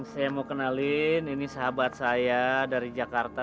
saya mau kenalin ini sahabat saya dari jakarta